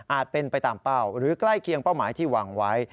เป็นไปตามเป้าหรือใกล้เคียงเป้าหมายที่วางไว้